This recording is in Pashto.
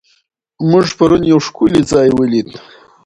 موږ پرون یو ښکلی ځای ولید.